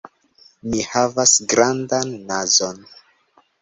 Mi havas grandan nazon.